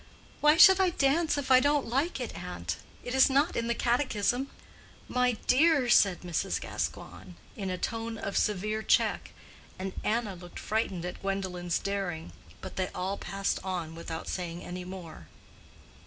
"Why should I dance if I don't like it, aunt? It is not in the catechism." "My dear!" said Mrs. Gascoigne, in a tone of severe check, and Anna looked frightened at Gwendolen's daring. But they all passed on without saying any more.